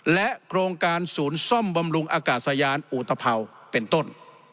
โครงการศูนย์ซ่อมบำรุงอากาศยานอุตภัวร์เป็นต้น